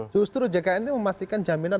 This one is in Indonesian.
justru jkn itu memastikan jaminan